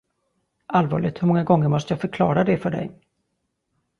Allvarligt, hur många gånger måste jag förklara det för dig?